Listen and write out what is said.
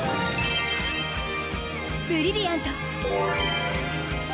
ブリリアント！